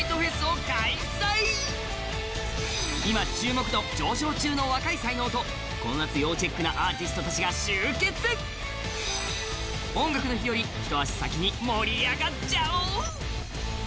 今注目度上昇中の若い才能とこの夏要チェックなアーティストたちが集結「音楽の日」より一足先に盛り上がっちゃおう！